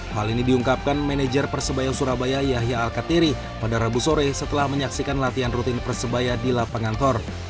hal ini diungkapkan manajer persebaya surabaya yahya al kateri pada rabu sore setelah menyaksikan latihan rutin persebaya di lapangan thor